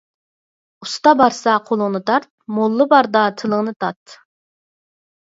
ئۇستا بارسا قولۇڭنى تارت، موللا باردا تىلىڭنى تارت.